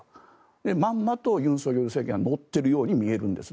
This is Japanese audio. まんまと尹錫悦政権は乗っているように見えるんですね。